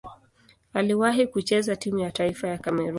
Aliwahi kucheza timu ya taifa ya Kamerun.